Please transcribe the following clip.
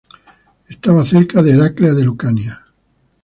Estaba cerca de Heraclea de Lucania.